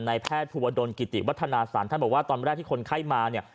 แพทย์ภูวดลกิติวัฒนาศาลท่านบอกว่าตอนแรกที่คนไข้มาเนี่ย